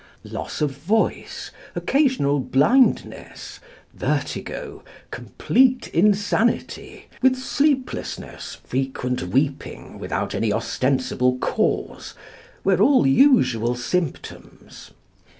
Loss of voice, occasional blindness, vertigo, complete insanity, with sleeplessness, frequent weeping without any ostensible cause, were all usual symptoms.